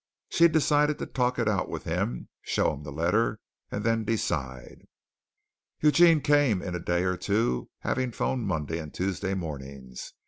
She decided to talk it out with him, show him the letter, and then decide. Eugene came in a day or two, having phoned Monday and Tuesday mornings.